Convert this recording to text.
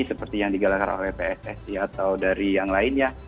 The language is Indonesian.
seperti yang digalakan oleh pssi atau dari yang lainnya